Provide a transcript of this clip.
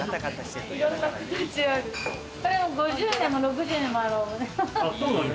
これ、５０年も６０年もある。